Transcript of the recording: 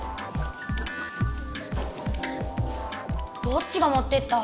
どっちがもってった？